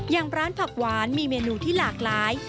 อย่างร้านผักหวานมีเมนูที่หลากหลาย